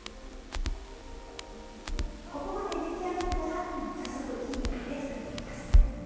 ここまで出来上がったら早速火にかけて作っていきます。